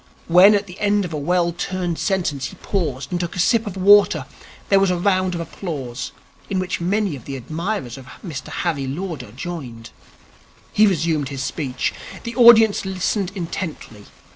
When, at the end of a well turned sentence, he paused and took a sip of water, there was a round of applause, in which many of the admirers of Mr Harry Lauder joined. He resumed his speech. The audience listened intently.